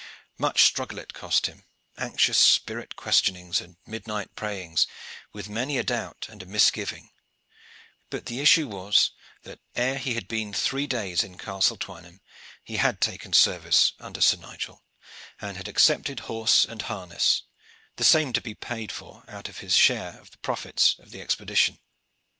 Much struggle it cost him, anxious spirit questionings and midnight prayings, with many a doubt and a misgiving; but the issue was that ere he had been three days in Castle Twynham he had taken service under Sir Nigel, and had accepted horse and harness, the same to be paid for out of his share of the profits of the expedition.